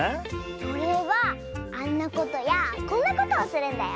それはあんなことやこんなことをするんだよ。